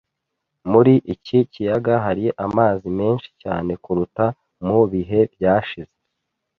Muri iki kiyaga hari amazi menshi cyane kuruta mu bihe byashize.